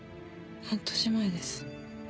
半年前です。